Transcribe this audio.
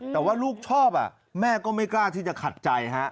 แต่ว่าลูกชอบแม่ก็ไม่กล้าที่จะขัดใจฮะ